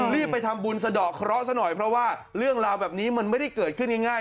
ไปทำบุญสะดอกเคราะห์ซะหน่อยเพราะว่าเรื่องราวแบบนี้มันไม่ได้เกิดขึ้นง่าย